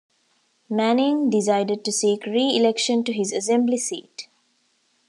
Manning decided to seek re-election to his Assembly seat.